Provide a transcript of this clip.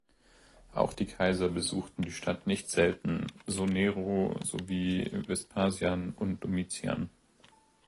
Auch die Kaiser besuchten die Stadt nicht selten, so Nero, sowie Vespasian und Domitian.